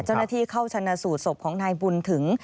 เจ้าหน้าที่เข้าชนะสูตรศพของนายบุญถึง